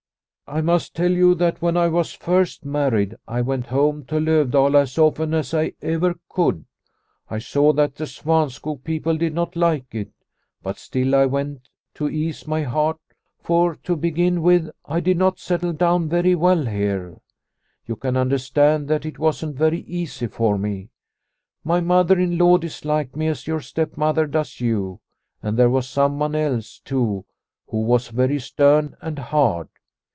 " I must tell you that when I was first married I went home to Lovdala as often as ever I could. I saw that the Svanskog people did not like it, but still I went to ease my heart, for to begin with, I did not settle The Silver Thaler 141 down very well here. You can understand that it wasn't very easy for me. My mother in law disliked me as your stepmother does you. And there was someone else, too, who was very stern and hard.